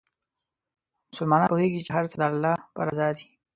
مسلمان پوهېږي چې هر څه د الله په رضا دي.